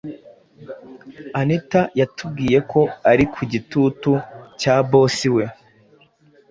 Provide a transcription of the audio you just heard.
anita yatubwiye ko ari ku gitutu cya 'boss' we